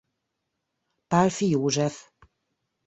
Pálffy József.